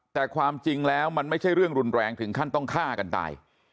แต่ความจริงแล้วมันไม่ใช่เรื่องรุนแรงถึงขั้นต้องฆ่ากันตาย